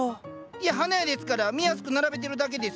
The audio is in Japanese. いや花屋ですから見やすく並べてるだけです。